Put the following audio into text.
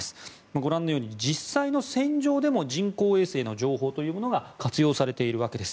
ご覧のように実際の戦場でも人工衛星の情報というのが活用されているわけです。